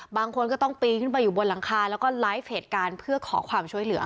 บางคนก็ต้องปีนขึ้นไปอยู่บนหลังคาแล้วก็ไลฟ์เหตุการณ์เพื่อขอความช่วยเหลือ